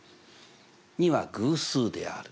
「２は偶数である」。